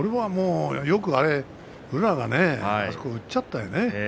よく宇良が、あそこでうっちゃったよね。